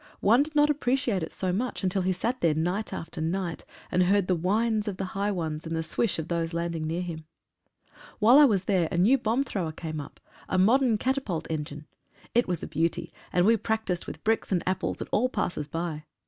One did not appreciate it so much until he sat there night after night, and heard the whines of the high ones, and the swish of those landing near him. While I was there a new bomb thrower came up — a modern catapult engine. It was a beauty, and we practised with bricks and apples at all passers by.